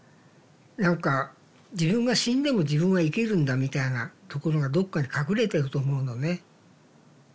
何か自分が死んでも自分は生きるんだみたいなところがどっかに隠れてると思うのね。